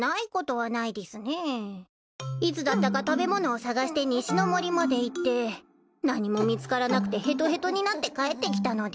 いつだったか食べ物を探して西の森まで行って何も見つからなくてヘトヘトになって帰ってきたのでぃす。